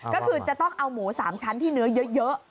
ก็คือจะต้องเอาหมู๓ชั้นที่เนื้อเยอะ